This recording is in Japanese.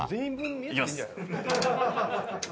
いきます。